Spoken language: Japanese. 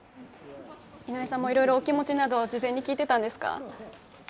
井上さんもお気持ちなどを事前に聞いていたんですか？